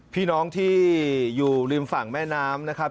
พี่น้องที่อยู่ริมฝั่งแม่น้ำนะครับ